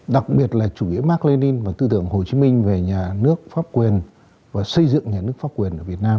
đặc biệt là chủ nghĩa mark lenin và tư tưởng hồ chí minh về nhà nước pháp quyền và xây dựng nhà nước pháp quyền ở việt nam